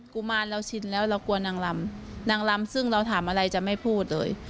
กุมารเราชินแล้วเรากลัวนางลำนางลำซึ่งเราถามอะไรจะไม่พูดเลย